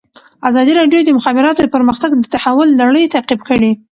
ازادي راډیو د د مخابراتو پرمختګ د تحول لړۍ تعقیب کړې.